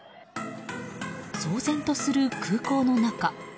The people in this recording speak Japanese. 騒然とする空港の中。